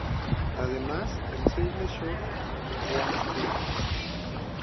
Además, el single "Shook Ones Pt.